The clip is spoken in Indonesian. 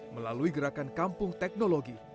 melalui gerakan kampung teknologi